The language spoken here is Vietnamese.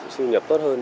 sưu nhập tốt hơn